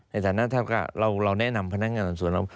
ในฐานะเท่ากับเราแนะนำพนักงานส่วนเรา